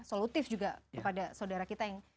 solutif juga kepada saudara kita yang